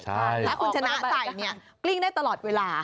ถ้าคุณชนะใส่เนี่ยกลิ้งได้ตลอดเวลา